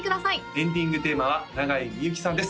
エンディングテーマは永井みゆきさんです